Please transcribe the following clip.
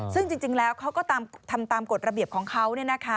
ซึ่งจริงแล้วเขาก็ทำตามกฎระเบียบของเขา